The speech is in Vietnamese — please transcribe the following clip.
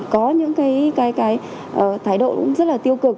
có những cái thái độ cũng rất là tiêu cực